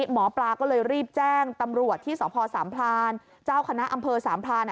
หมอปลาก็เลยรีบแจ้งตำรวจที่สพสามพลานเจ้าคณะอำเภอสามพราน